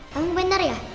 kamu bener ya